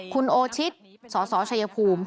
คุณโอชิตสสชัยภูมิ